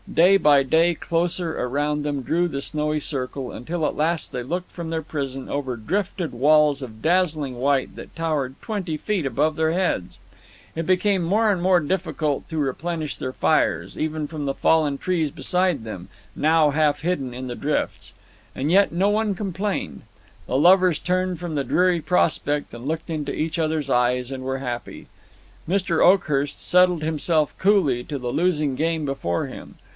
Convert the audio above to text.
Day by day closer around them drew the snowy circle, until at last they looked from their prison over drifted walls of dazzling white that towered twenty feet above their heads. It became more and more difficult to replenish their fires, even from the fallen trees beside them, now half hidden in the drifts. And yet no one complained. The lovers turned from the dreary prospect and looked into each other's eyes, and were happy. Mr. Oakhurst settled himself coolly to the losing game before him.